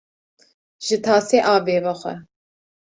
Ji tasê avê vexwe